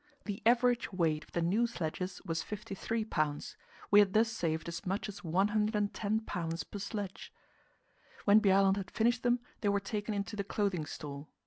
The average weight of the new sledges was 53 pounds. We had thus saved as much as 110 pounds per sledge. When Bjaaland had finished them, they were taken into the "Clothing Store."